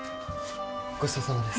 ごちそうさまです